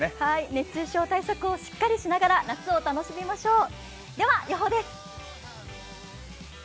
熱中症対策をしっかりしながら夏を楽しみましょう。